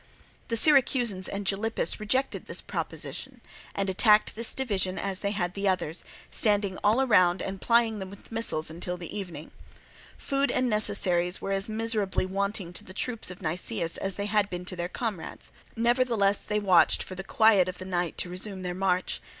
The Syracusans and Gylippus rejected this proposition, and attacked this division as they had the other, standing all round and plying them with missiles until the evening. Food and necessaries were as miserably wanting to the troops of Nicias as they had been to their comrades; nevertheless they watched for the quiet of the night to resume their march.